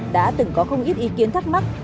đã từng có không ít ý kiến thắc mắc